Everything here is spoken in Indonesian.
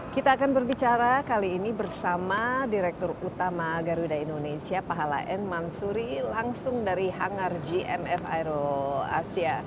kita akan berbicara kali ini bersama direktur utama garuda indonesia pahala n mansuri langsung dari hangar gmf aero asia